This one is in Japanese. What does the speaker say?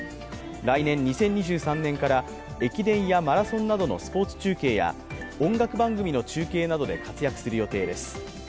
来年２０２３年から駅伝やマラソンなどのスポーツ中継や音楽番組の中継などで活躍する予定です。